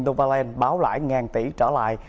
novaland báo lại ngàn tỷ trở lại